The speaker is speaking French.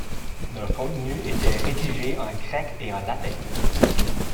Leur contenu était rédigé en grec et en latin.